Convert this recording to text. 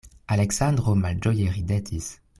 Aleksandro malĝoje ridetis.